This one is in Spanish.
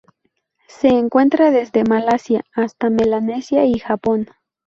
Se encuentra desde Malasia hasta Melanesia y Japón.